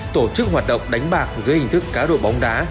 tổ chức hoạt động đánh bạc dưới hình thức cá độ bóng đá